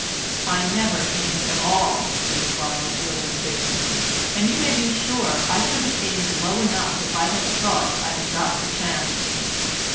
"I never aimed at all," he replied a little indignantly, "and you may be sure I should have aimed low enough if I had thought I had got the chance."